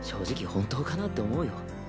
本当かなって思うよ。